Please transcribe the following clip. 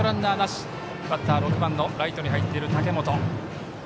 バッター、６番のライトに入っている武元。